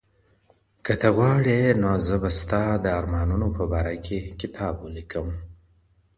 که ته وغواړې نو زه به ستا د ارمانونو په باره کي کتاب ولیکم.